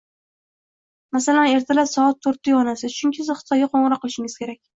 Masalan, ertalab soat to'rtda uygʻonasiz, chunki siz Xitoyga qoʻngʻiroq qilishingiz kerak.